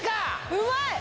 うまい！